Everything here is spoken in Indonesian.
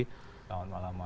selamat malam mas